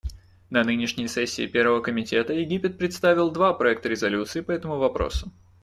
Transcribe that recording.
На нынешней сессии Первого комитета Египет представил два проекта резолюций по этому вопросу.